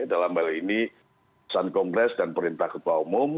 dalam hal ini pesan kongres dan perintah ketua umum